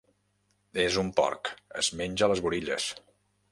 És un porc: es menja les burilles.